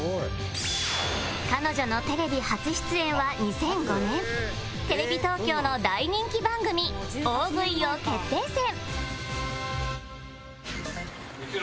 彼女のテレビ初出演は２００５年テレビ東京の大人気番組『大食い王決定戦』